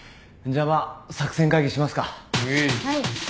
んじゃまあ作戦会議しますか。